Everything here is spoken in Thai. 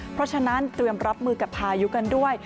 เพราะฉะนั้นเตรียมรับมือกับพายุกันด้วย